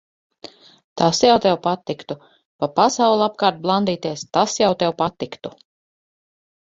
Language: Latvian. Tas jau tev patiktu. Pa pasauli apkārt blandīties, tas jau tev patiktu.